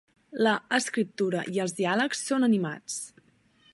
La escriptura i els diàlegs són animats.